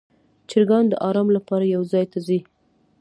چرګان د آرام لپاره یو ځای ته ځي.